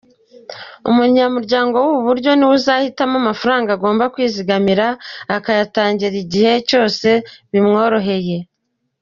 Umunyamuryango w’ubu buryo ni we uzahitamo amafaranga agomba kwizigamira, akayatangira igihe cyose bimworoheye.